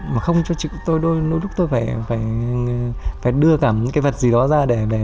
mà không cho chịu tôi đôi lúc tôi phải đưa cả những cái vật gì đó ra